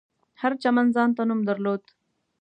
هر چمن ځانته نوم درلود.